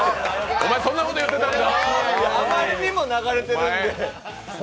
お前、そんなこと言ってたんか。